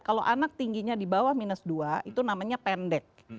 kalau anak tingginya di bawah minus dua itu namanya pendek